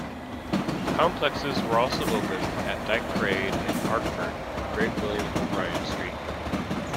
Complexes were also opened at Dyke Parade and Ardfert, Great William O'Brien Street.